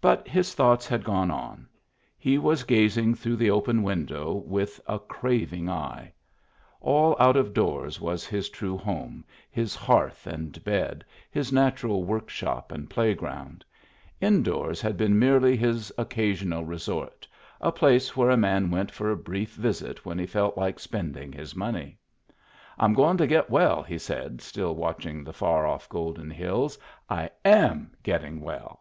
But his thoughts had gone on ; he was gazing through the open window with a craving eye^ All out of doors was his true home, his hearth 229 Digitized by VjOOQIC 230 MEMBERS OF THE FAMILY and bed, his natural workshop and playground ; in doors had been merely his occasional resort — a place where a man went for a brief visit when he felt like spending his money. " I'm goin' to get well," he said, still watching the far oflF, golden hills. " I am getting well.